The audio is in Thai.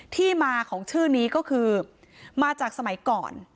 ที่มาของชื่อนี้ก็คือมาจากสมัยก่อน